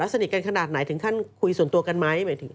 สนิทกันขนาดไหนถึงขั้นคุยส่วนตัวกันไหม